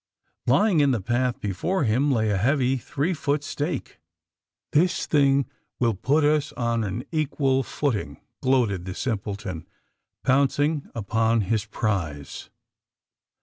Lying in the path before him lay a heavy three foot stake. *'This thing will place us on an equal foot 18D THE SUBMARINE BOYS ing!" gloated the simpleton, pouncing upon his prize.